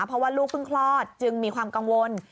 เพราะว่าลูกเพิ่งคลอดจึงมีความกังวล